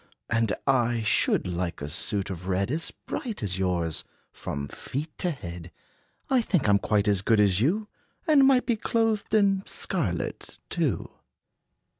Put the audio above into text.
And I should like a suit of red As bright as yours, from feet to head. I think I' m quite as good as you, And might be clothed in scarlet, too."